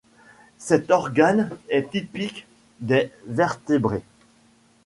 Cet organe est typique des vertébrés.